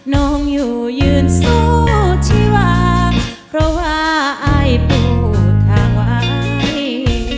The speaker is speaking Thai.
น้องอยู่ยืนสู้ชีวาเพราะว่าอายปูทางไว้